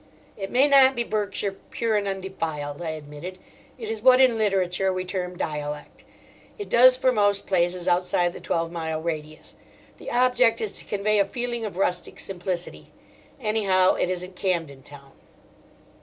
"It may not be Berkshire pure and undefiled," I admitted. "It is what in literature we term 'dialect.' It does for most places outside the twelve mile radius. The object is to convey a feeling of rustic simplicity. Anyhow, it isn't Camden Town."